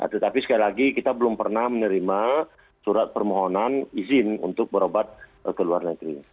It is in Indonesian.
tetapi sekali lagi kita belum pernah menerima surat permohonan izin untuk berobat ke luar negeri